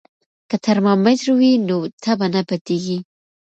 که ترمامیتر وي نو تبه نه پټیږي.